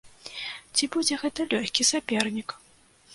Ці будзе гэта лёгкі сапернік?